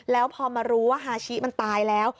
แล้วพอมารู้ว่าฮาชิมันตายแล้ว